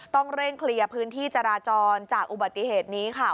ต้องเร่งเคลียร์พื้นที่จราจรจากอุบัติเหตุนี้ค่ะ